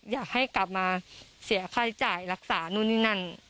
อยากให้กลับมาเสียค่าใช้จ่ายรักษานู่นนี่นั่น